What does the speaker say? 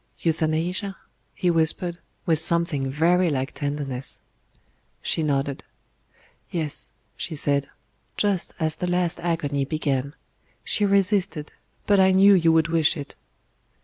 "Euthanasia?" he whispered with something very like tenderness. She nodded. "Yes," she said; "just as the last agony began. She resisted, but I knew you would wish it."